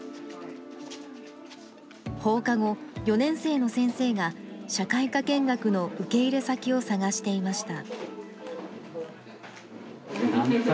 放課後、４年生の先生が社会科見学の受け入れ先を探していました。